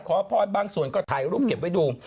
ขอพรบางส่วนก็ถ่ายรูปเก็บไว้ดู